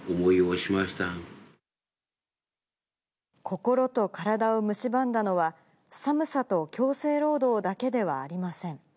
心と体をむしばんだのは、寒さと強制労働だけではありません。